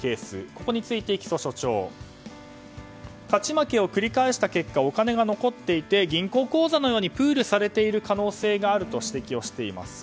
ここについて、木曽所長勝ち負けを繰り返した結果お金が残っていて銀行口座のようにプールされている可能性があると指摘しています。